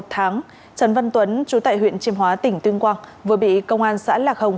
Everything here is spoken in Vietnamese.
một tháng trần văn tuấn chú tại huyện chiêm hóa tỉnh tuyên quang vừa bị công an xã lạc hồng